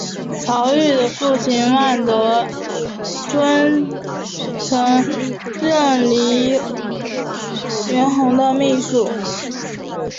曹禺的父亲万德尊曾任黎元洪的秘书。